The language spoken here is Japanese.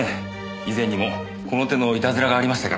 以前にもこの手のいたずらがありましたから。